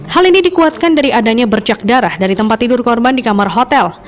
hal ini dikuatkan dari adanya bercak darah dari tempat tidur korban di kamar hotel